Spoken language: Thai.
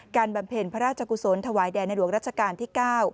บำเพ็ญพระราชกุศลถวายแด่ในหลวงรัชกาลที่๙